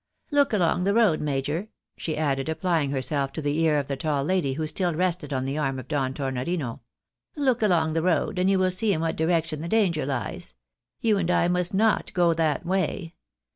" Look along the road, major," she added, applying herself to the ear of the tall lady who still rested on the arm of Don Tornorino. " Look along the road, and you will see in what direc tion the danger lies. You and I must not go that way.